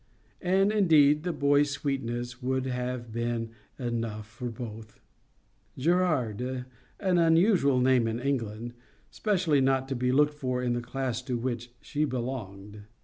And, indeed, the boy's sweetness would have been enough for both. Gerard—an unusual name in England; specially not to be looked for in the class to which she belonged.